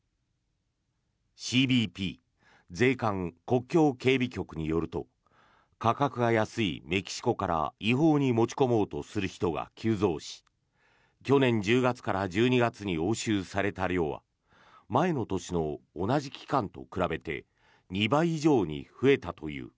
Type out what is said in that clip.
ＣＢＰ＝税関・国境警備局によると価格が安いメキシコから違法に持ち込もうとする人が急増し去年１０月から１２月に押収された量は前の年の同じ期間と比べて２倍以上に増えたという。